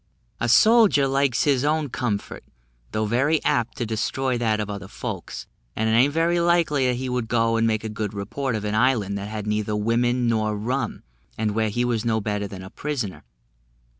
A soldier likes his own comfort, although very apt to destroy that of other folks; and it a'n't very likely he would go and make a good report of an island that had neither women nor rum, and where he was no better than a prisoner.